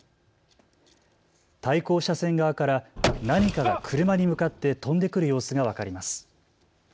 対向車線側から何かが車に向かって飛んでくる様子が分かります。